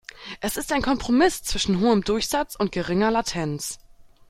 Es ist ein Kompromiss zwischen hohem Durchsatz und geringer Latenz.